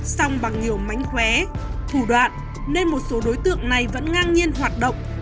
xong bằng nhiều mánh khóe thủ đoạn nên một số đối tượng này vẫn ngang nhiên hoạt động